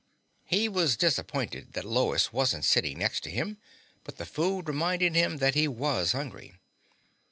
He was disappointed that Lois wasn't sitting next to him, but the food reminded him that he was hungry.